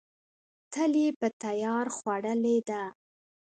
تل یې په تیار خوړلې ده.